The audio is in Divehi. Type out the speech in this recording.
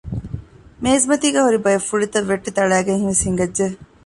މޭޒުމަތީގައި ހުރި ބައެއް ފުޅިތައް ވެއްޓި ތަޅައިގެން ވެސް ހިނގައްޖެ